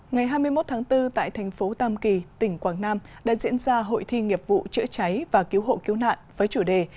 ngày hai mươi một tháng bốn tại thành phố tam kỳ tỉnh quảng nam đã diễn ra hội thi nghiệp vụ chữa cháy và cứu hộ cứu nạn với chủ đề